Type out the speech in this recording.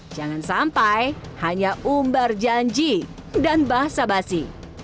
jangan sampai hanya umbar janji dan bahasa basi